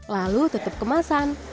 lalu tutup kemasan